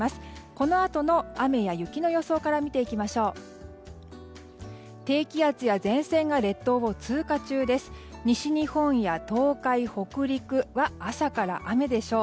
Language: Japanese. このあとの雨や雪の予想から見ていきましょう。